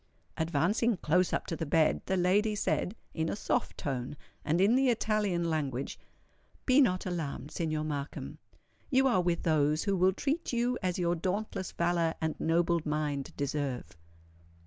Advancing close up to the bed, the lady said, in a soft tone, and in the Italian language:—"Be not alarmed, Signor Markham; you are with those who will treat you as your dauntless valour and noble mind deserve."